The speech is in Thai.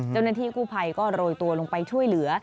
เจ้าหน้าที่กู้ภัยก็โรยตัวลงไปช่วยเหลือ